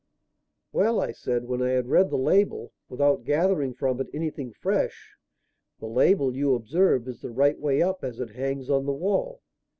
"Well?" I said, when I had read the label without gathering from it anything fresh. "The label, you observe, is the right way up as it hangs on the wall."